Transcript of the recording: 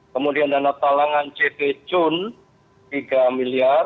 kemudian dana talangan ct cun tiga miliar